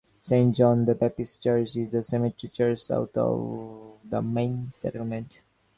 Saint John the Baptist Church is a cemetery church south of the main settlement.